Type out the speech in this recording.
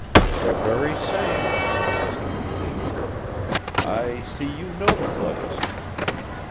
"The very same," Hollister continued. "I see you know the place.